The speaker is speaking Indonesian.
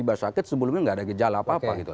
karena tiba tiba sakit sebelumnya tidak ada gejala apa apa